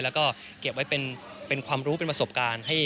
แล้วก็เก็บไว้เป็นความรู้เป็นประสบการณ์